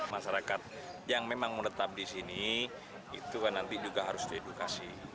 masyarakat yang memang menetap di sini itu kan nanti juga harus diedukasi